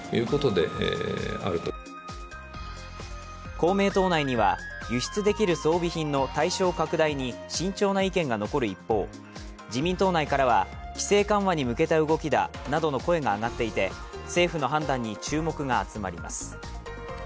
公明党内には輸出できる装備品の対象拡大に慎重な意見が残る一方、自民党内からは規制緩和に向けた動きだなどの声が上がっていて政府の判断に注目が集まります。